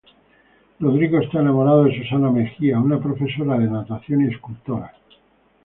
Rodrigo está enamorado de Susana Mejía, una profesora de natación y escultora.